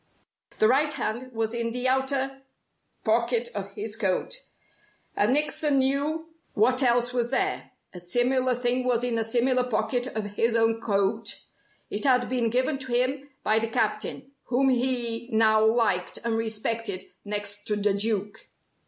The right hand was in the outer pocket of his coat, and Nickson knew what else was there. A similar thing was in a similar pocket of his own coat. It had been given to him by the Captain, whom he now liked and respected next to the Duke.